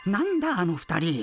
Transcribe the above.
あの２人。